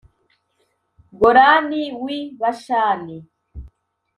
Golani wi Bashani